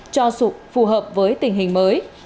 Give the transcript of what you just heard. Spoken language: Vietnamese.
cho phù hợp với tình hình mới